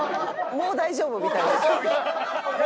もう大丈夫みたい。